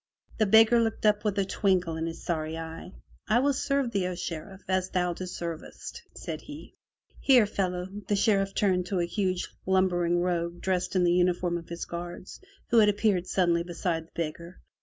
The beggar looked up with a twinkle in his one sorry eye. 56 FROM THE TOWER WINDOW "I will serve thee, O Sheriff, as thou deservest!'* said he. "Here, fellow," the Sheriff turned to a huge lumbering rogue dressed in the uniform of his guards, who had appeared suddenly beside the beggar.